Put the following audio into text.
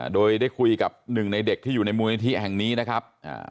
โดยได้คุยกับหนึ่งในเด็กที่อยู่ในมูลนิธิแห่งนี้นะครับ